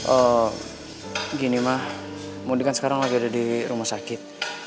oh gini mah mudi kan sekarang lagi ada di rumah sakit